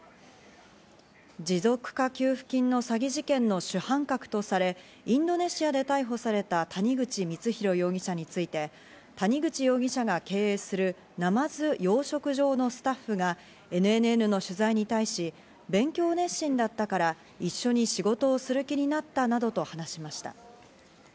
持続化給付金の詐欺事件の主犯格とされ、インドネシアで逮捕された谷口光弘容疑者について、谷口容疑者が経営するナマズ養殖場のスタッフがＮＮＮの取材に対し、勉強熱心だったから一緒に仕事をする気になったなどと話しました。